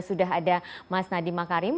sudah ada mas nadiem makarim